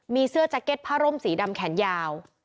มีเสื้อแจ็คเก็ตผ้าร่มสีดำแขนยาว